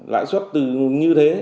lãi suất từ như thế